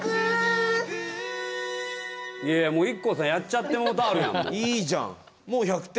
いやいやもうＩＫＫＯさんやっちゃってもうたあるやん。